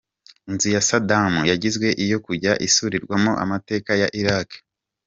Inzu ya Saddam yagizwe iyo kujya isurirwamo amateka ya Iraq.